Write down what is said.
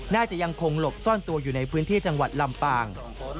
น่าจะยังคงหลบซ่อนตัวอยู่ในพื้นที่จังหวัดลำปาง